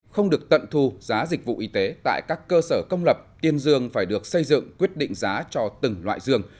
không được tận thu giá dịch vụ y tế tại các cơ sở công lập tiên dương phải được xây dựng quyết định giá cho từng loại dương